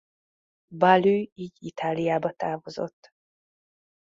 Balue így Itáliába távozott.